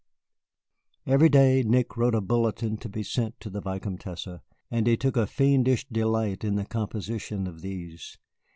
Every day Nick wrote a bulletin to be sent to the Vicomtesse, and he took a fiendish delight in the composition of these.